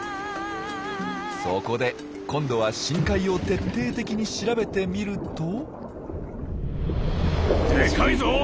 そこで今度は深海を徹底的に調べてみると。